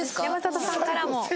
山里さんからも。